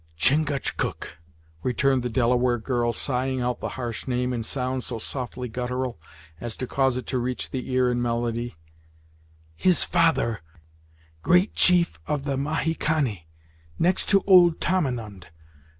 "Chingachgook!" returned the Delaware girl, sighing out the harsh name, in sounds so softly guttural, as to cause it to reach the ear in melody "His father, Uncas great chief of the Mahicanni next to old Tamenund!